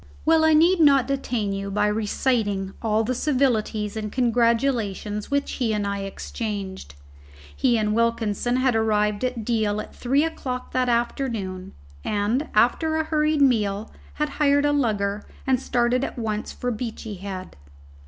Well, I need not detain you by reciting all the civilities and congratulations which he and I exchanged. He and Wilkinson had arrived at Deal at three o'clock that afternoon, and, after a hurried meal, had hired a lugger and started at once for Beachy Head.